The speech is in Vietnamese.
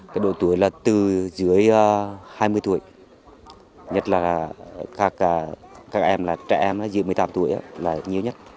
cái độ tuổi là từ dưới hai mươi tuổi nhất là các em là trẻ em dưới một mươi tám tuổi là nhiều nhất